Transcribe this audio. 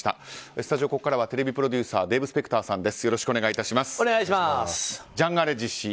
スタジオ、ここからはテレビプロデューサーデーブ・スペクターさんです。